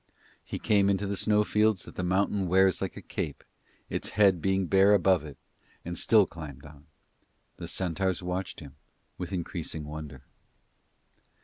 He came into the snow fields that the mountain wears like a cape, its head being bare above it, and still climbed on. The centaurs watched him with increasing wonder.